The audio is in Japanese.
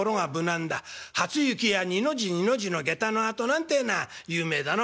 『初雪や二の字二の字の下駄のあと』なんてえのは有名だな」。